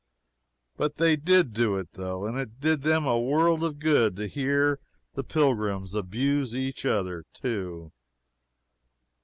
But they did do it, though and it did them a world of good to hear the pilgrims abuse each other, too.